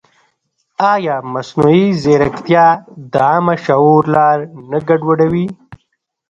ایا مصنوعي ځیرکتیا د عامه شعور لار نه ګډوډوي؟